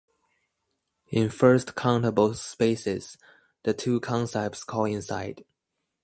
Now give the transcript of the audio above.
In first-countable spaces, the two concepts coincide.